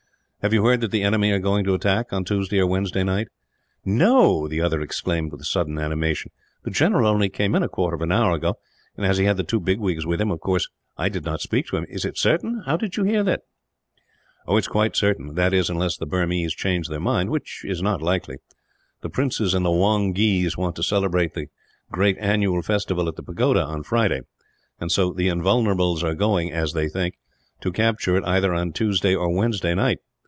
"Have you heard that the enemy are going to attack, on Tuesday or Wednesday night?" "No!" the other exclaimed, with a sudden animation. "The general only came in a quarter of an hour ago and, as he had the two bigwigs with him, of course I did not speak to him. Is it certain? How did you hear it?" "It is quite certain that is, unless the Burmese change their mind, which is not likely. The princes want to celebrate the great annual festival at the pagoda, on Friday; and so the Invulnerables are going, as they think, to capture it either on Tuesday or Wednesday night.